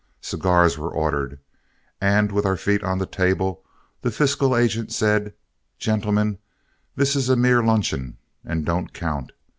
Cigars were ordered, and with our feet on the table, the fiscal agent said: "Gentlemen, this is a mere luncheon and don't count.